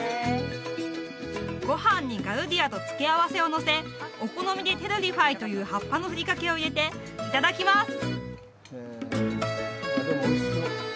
ご飯にガルディアと付け合わせをのせお好みでテルリファイという葉っぱのふりかけを入れていただきます